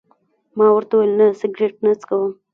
ما ورته وویل: نه، سګرېټ نه څکوم.